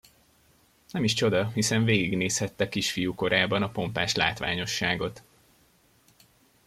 Nem is csoda, hiszen végignézhette kisfiú korában a pompás látványosságot.